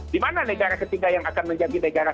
di mana negara ketiga yang akan menjadi negara